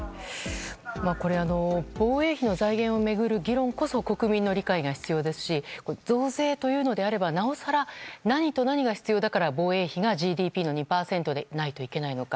これは防衛費の財源を巡る議論こそ国民の理解が必要ですし増税というのであればなおさら何と何が必要だから防衛費がＧＤＰの２％でないといけないのか。